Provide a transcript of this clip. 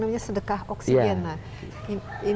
namanya sedekah oksigen